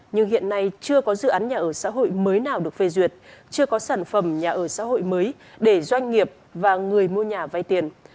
nhưng hiện nay chưa có dự án nhà ở xã hội mới nào được phê duyệt chưa có sản phẩm nhà ở xã hội mới để doanh nghiệp và người mua nhà vay tiền